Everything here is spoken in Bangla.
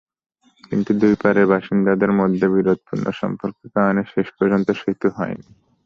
কিন্তু দুই পাড়ের বাসিন্দাদের মধ্যে বিরোধপূর্ণ সম্পর্কের কারণে শেষ পর্যন্ত সেতু হয়নি।